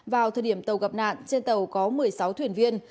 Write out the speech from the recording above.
vào thời điểm tàu gặp nạn trên tàu có một mươi sáu thuyền viên